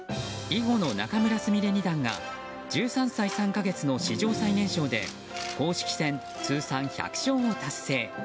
囲碁の仲邑菫二段が１３歳３か月の史上最年少で公式戦通算１００勝を達成。